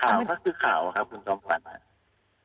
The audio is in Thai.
ข่าวก็คือข่าวครับคุณสองฝัน